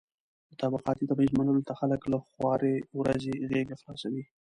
د طبقاتي تبعيض منلو ته خلک له خوارې ورځې غېږه خلاصوي.